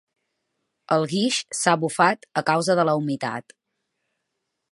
El guix s'ha bufat a causa de la humitat.